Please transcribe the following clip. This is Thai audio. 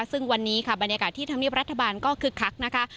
ซึ่งวันนี้ค่ะบรรยากาศที่ธรรมเนียบรัฐบาลก็คึกคักนะคะ